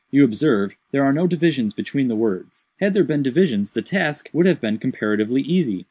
"You observe there are no divisions between the words. Had there been divisions, the task would have been comparatively easy.